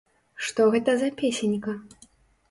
Што гэта за песенька?